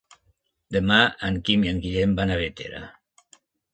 Demà en Quim i en Guillem van a Bétera.